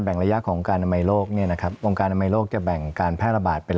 ระยะของการอนามัยโลกเนี่ยนะครับองค์การอนามัยโลกจะแบ่งการแพร่ระบาดเป็น